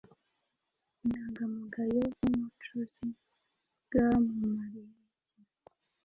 Ubunyangamugayo bw’umucuzi bwamumariye iki?